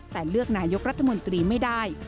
แต่เลือกนายกรัฐมนตรีไม่ได้